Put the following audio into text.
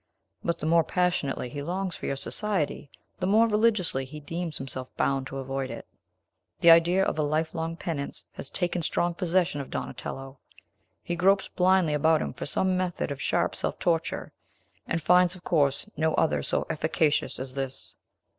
But, the more passionately he longs for your society, the more religiously he deems himself bound to avoid it. The idea of a lifelong penance has taken strong possession of Donatello. He gropes blindly about him for some method of sharp self torture, and finds, of course, no other so efficacious as this."